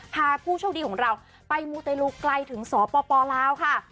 พาผู้โชคดีของเราไปมูเตลูกันถึงสปลาวค่ะ